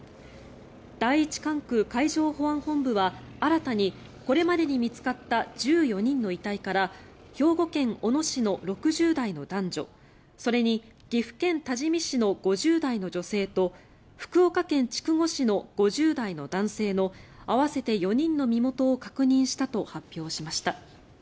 第一管区海上保安本部は新たにこれまでに見つかった１４人の遺体から兵庫県小野市の６０代の男女それに岐阜県多治見市の５０代の女性と福岡県筑後市の５０代の男性の合わせて４人の身元を確認したと発表しました。